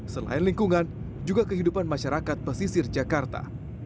selain lingkungan juga kehidupan masyarakat pesisir jakarta